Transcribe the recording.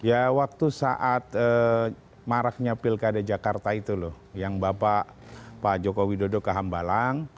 ya waktu saat maraknya pilkada jakarta itu loh yang bapak pak joko widodo ke hambalang